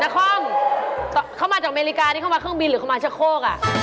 คอมเข้ามาจากอเมริกานี่เข้ามาเครื่องบินหรือเข้ามาชะโคก